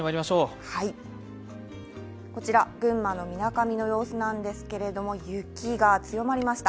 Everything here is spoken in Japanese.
こちら群馬のみなかみの様子なんですけれども雪が強まりました。